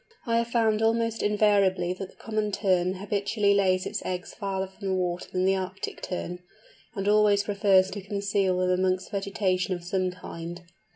I have found almost invariably that the Common Tern habitually lays its eggs farther from the water than the Arctic Tern, and always prefers to conceal them amongst vegetation of some kind.